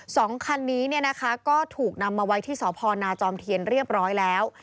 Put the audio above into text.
สองคันนี้เนี่ยนะคะก็ถูกนำมาไว้ที่สพนาจอมเทียนเรียบร้อยแล้ว